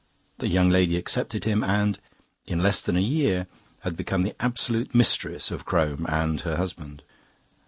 The young lady accepted him, and in less than a year had become the absolute mistress of Crome and her husband.